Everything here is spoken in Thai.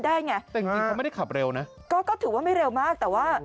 ได้ไงแต่จริงจริงเขาไม่ได้ขับเร็วนะก็ก็ถือว่าไม่เร็วมากแต่ว่า